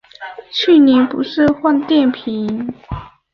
去年不是换电瓶